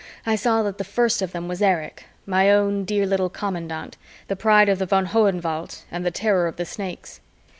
I saw that the first of them was Erich, my own dear little commandant, the pride of the von Hohenwalds and the Terror of the Snakes.